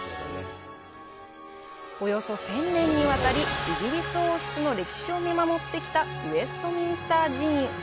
およそ１０００年にわたり、イギリス王室の歴史を見守ってきた「ウェストミンスター寺院」。